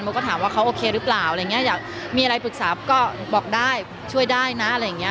โมก็ถามว่าเขาโอเครึเปล่าอยากมีอะไรปรึกษาก็บอกได้ช่วยได้นะอะไรอย่างนี้